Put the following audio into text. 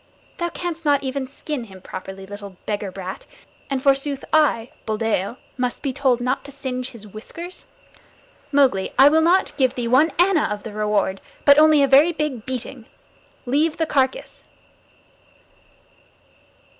Thou canst not even skin him properly, little beggar brat, and forsooth I, Buldeo, must be told not to singe his whiskers. Mowgli, I will not give thee one anna of the reward, but only a very big beating. Leave the carcass!"